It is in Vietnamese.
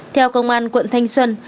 theo công an quận thanh xuân